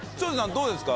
どうですか？